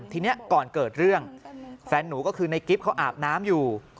ทีนี้ก่อนเกิดเรื่องแฟนหนูก็คือในกิฟต์เขาอาบน้ำอยู่